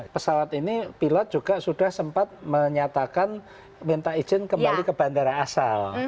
pesawat ini pilot juga sudah sempat menyatakan minta izin kembali ke bandara asal